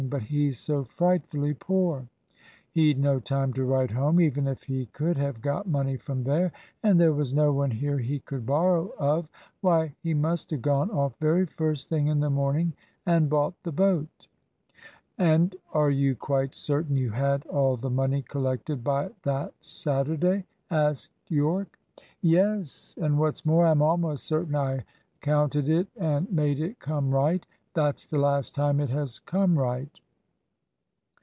But he's so frightfully poor. He'd no time to write home, even if he could have got money from there, and there was no one here he could borrow of. Why, he must have gone off very first thing in the morning and bought the boat." "And are you quite certain you had all the money collected by that Saturday?" asked Yorke. "Yes; and what's more, I'm almost certain I counted it and made it come right. That's the last time it has come right."